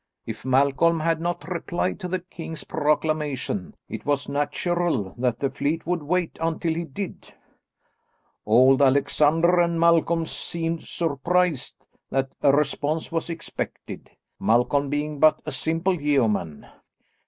If Malcolm had not replied to the king's proclamation it was natural that the fleet would wait until he did. Old Alexander and Malcolm seemed surprised that a response was expected, Malcolm being but a simple yeoman.